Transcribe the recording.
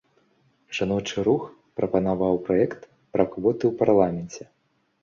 Жаночы рух прапанаваў праект пра квоты ў парламенце.